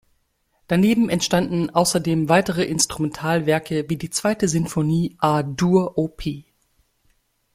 Daneben entstanden außerdem weitere Instrumentalwerke wie die zweite Sinfonie A-Dur op.